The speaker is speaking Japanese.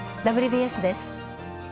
「ＷＢＳ」です。